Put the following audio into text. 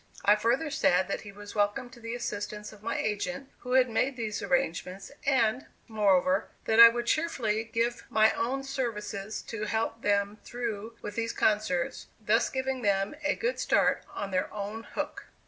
I further said that he was welcome to the assistance of my agent who had made these arrangements, and, moreover, that I would cheerfully give my own services to help them through with these concerts, thus giving them a good start "on their own hook."